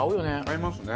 合いますね。